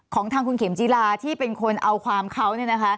ของทางคุณเข็มจีลาที่เป็นคนเอาความเขา